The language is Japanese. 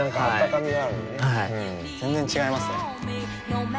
はい全然違いますね。